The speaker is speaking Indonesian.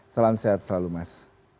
salam sehat selalu mas